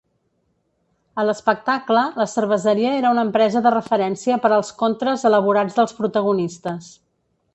A l'espectacle, la cerveseria era una empresa de referència per als contres elaborats dels protagonistes.